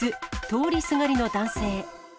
通りすがりの男性。